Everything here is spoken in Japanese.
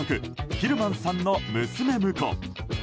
ヒルマンさんの娘婿。